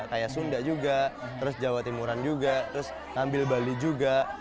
kayak sunda juga terus jawa timuran juga terus ngambil bali juga